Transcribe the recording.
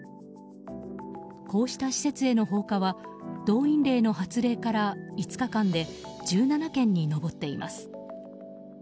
こうした施設への放火は動員令の発令から５日間で１７件に上っています。